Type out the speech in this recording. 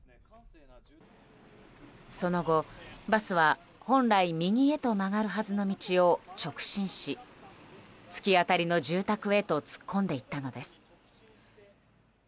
その後、バスは本来右へと曲がるはずの道を直進し突き当たりの住宅へと突っ込んでいったのです。